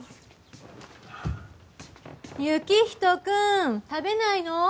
行人君食べないの？